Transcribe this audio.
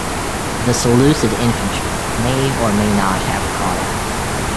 The Seleucid infantry may or may not have caught up.